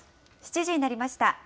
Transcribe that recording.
７時になりました。